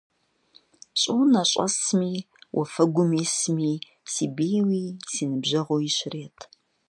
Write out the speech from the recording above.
Щӏыунэ щӏэсми, уафэгум исми, си бийуи си ныбжьэгъууи щрет.